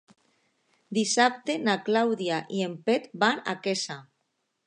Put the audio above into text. Dissabte na Clàudia i en Pep van a Quesa.